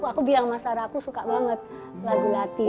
aku bilang sama sarah aku suka banget lagu lati